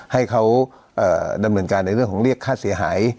ให้เขาดำเนินการในเรื่องของเรียกค่าเสียหาย